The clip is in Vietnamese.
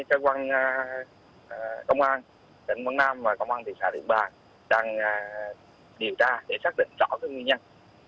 trang quan công an trang quan nam và công an thị xã điện bà đang điều tra để xác định rõ nguyên nhân